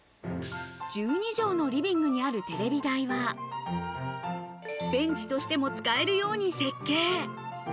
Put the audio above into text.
１２畳のリビングにあるテレビ台は、ベンチとしても使えるように設計。